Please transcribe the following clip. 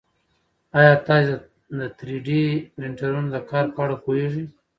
ایا تاسي د تری ډي پرنټرونو د کار په اړه پوهېږئ؟